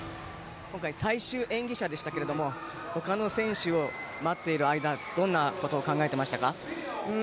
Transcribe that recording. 今回、最終演技者でしたが他の選手を待っている間どんなことを考えてましたか？